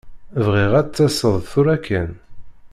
Bɣiɣ ad d-taseḍ tura kan.